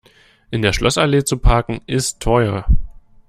In der Schlossallee zu parken, ist teuer.